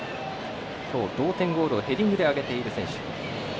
今日同点ゴールをヘディングであげている選手。